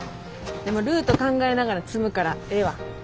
でもルート考えながら積むからええわ。